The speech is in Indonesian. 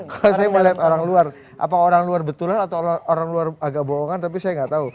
kalau saya mau lihat orang luar apa orang luar betulan atau orang luar agak bohongan tapi saya nggak tahu